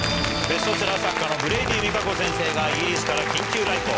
ベストセラー作家のブレイディみかこ先生がイギリスから緊急来校。